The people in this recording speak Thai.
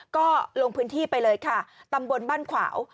ก็ลงพื้นที่ไปเลยค่ะตำบลบ้านขวาว